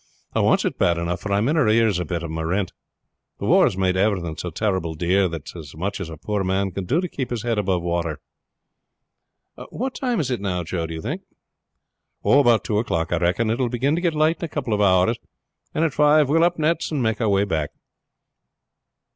I wants it bad enough, for I am in arrears a bit with my rent. The war has made everything so terrible dear that it is as much as a poor man can do to keep his head above water. "What time is it now, Joe, do you think?" "About two o'clock, I reckon. It will begin to get light in a couple of hours, and at five we will up nets and make our way back."